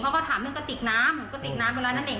เขาก็ถามเรื่องกระติกน้ำหนูก็ติกน้ำอยู่ร้านนั่นเอง